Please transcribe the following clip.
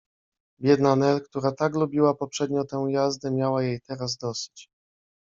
Biedna Nel, która tak lubiła poprzednio tę jazdę, miała jej teraz dosyć.